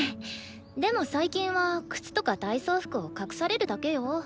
でも最近は靴とか体操服を隠されるだけよ。